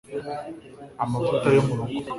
amavuta yo mu rugo